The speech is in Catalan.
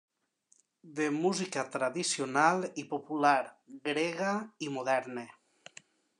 De música tradicional i popular grega, i moderna.